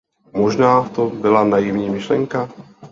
Možná to byla naivní myšlenka?